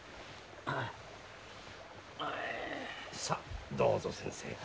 さどうぞ先生。